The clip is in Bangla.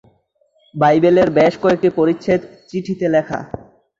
বাইবেলের বেশ কয়েকটি পরিচ্ছেদ চিঠিতে লেখা।